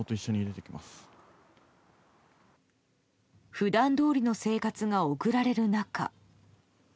普段どおりの生活が送られる中。